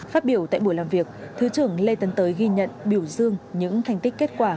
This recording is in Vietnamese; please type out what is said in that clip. phát biểu tại buổi làm việc thứ trưởng lê tấn tới ghi nhận biểu dương những thành tích kết quả